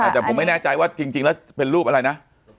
แต่ผมไม่แน่ใจว่าจริงแล้วเป็นรูปอะไรนะ